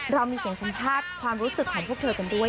เรามีเสียงสัมภาษณ์ความรู้สึกของพวกเธอกันด้วย